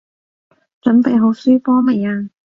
準備好輸波未啊？